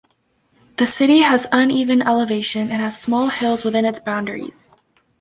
The city has uneven elevation and has small hills within its boundaries.